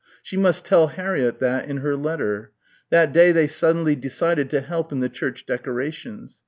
... she must tell Harriett that in her letter ... that day they suddenly decided to help in the church decorations